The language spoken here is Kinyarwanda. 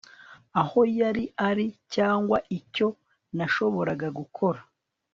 aho yari ari, cyangwa icyo nashoboraga gukora ..